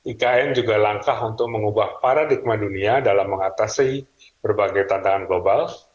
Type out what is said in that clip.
ikn juga langkah untuk mengubah paradigma dunia dalam mengatasi berbagai tantangan global